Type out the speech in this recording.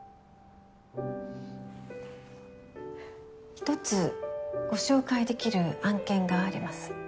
１つご紹介できる案件があります。